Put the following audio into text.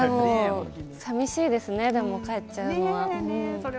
さみしいですね帰っちゃうのは。